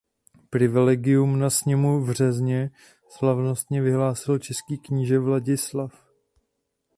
Privilegium na sněmu v Řezně slavnostně vyhlásil český kníže Vladislav.